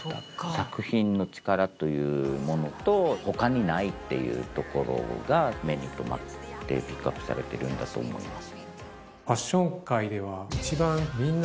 作品の力というものと他にないっていうところが目に留まってピックアップされてるんだと思います。